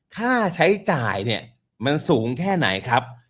ค่าใช้จ่ายเนี่ยมันสูงแค่ไหนครับ